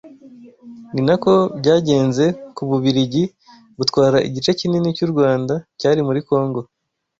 Ni nako byagenze ku Bubiligi butwara igice kinini cy’u Rwanda cyari muri Congo.”